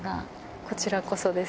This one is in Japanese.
こちらこそです。